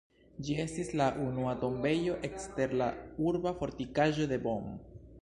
Ĝi estis la unua tombejo ekster la urba fortikaĵo de Bonn.